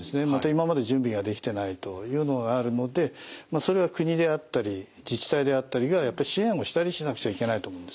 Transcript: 今まで準備ができてないというのがあるのでそれは国であったり自治体であったりがやっぱり支援をしたりしなくちゃいけないと思うんです。